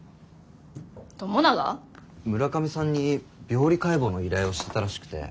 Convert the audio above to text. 村上さんに病理解剖の依頼をしてたらしくて。